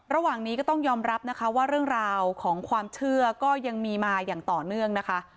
ระหว่างนี้ก็ต้องยอมรับนะคะว่าเรื่องราวของความเชื่อก็ยังมีมาอย่างต่อเนื่องนะคะ